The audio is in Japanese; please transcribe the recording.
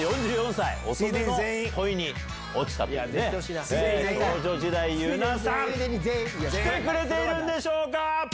４４歳遅めの恋に落ちたという少女時代ユナさん。来てくれているんでしょうか？